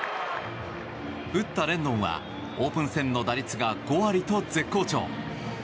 打ったレンドンはオープン戦の打率が５割と絶好調。